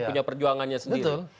punya perjuangannya sendiri